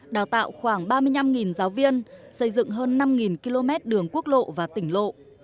đào tạo khoảng ba mươi năm giáo viên xây dựng hơn năm km đường quốc lộ và tỉnh lộ